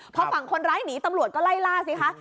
พอฝั่งคนร้ายหนีตำรวจก็ไล่ล่าสิคะ